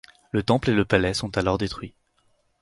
Le temple et le palais sont alors détruits.